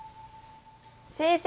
先生！